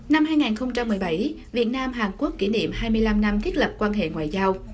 năm hai nghìn một mươi bảy việt nam hàn quốc kỷ niệm hai mươi năm năm thiết lập quan hệ ngoại giao